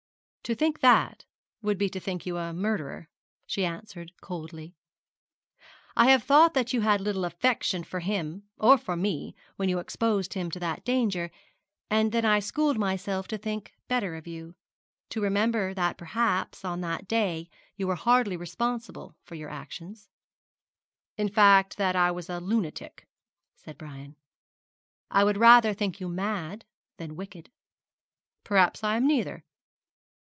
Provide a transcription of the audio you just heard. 'To think that would be to think you a murderer,' she answered, coldly. 'I have thought that you had little affection for him or for me when you exposed him to that danger; and then I schooled myself to think better of you to remember that, perhaps, on that day you were hardly responsible for your actions.' 'In fact, that I was a lunatic,' said Brian. 'I would rather think you mad than wicked.' 'Perhaps I am neither.